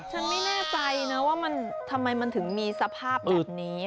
ฉันไม่แน่ใจนะว่ามันทำไมมันถึงมีสภาพแบบนี้